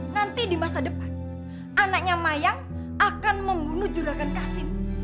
nanti di masa depan anaknya mayang akan membunuh juragan kasim